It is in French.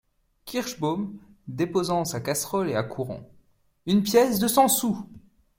Kirschbaum, déposant sa casserole et accourant. — Une pièce de cent sous !